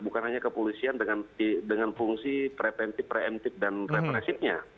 bukan hanya kepolisian dengan fungsi pre emptive dan repressifnya